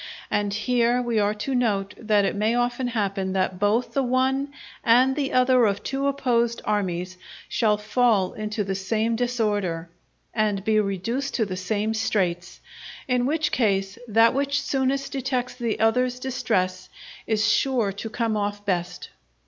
And here we are to note that it may often happen that both the one and the other of two opposed armies shall fall into the same disorder, and be reduced to the same straits; in which case, that which soonest detects the other's distress is sure to come off best.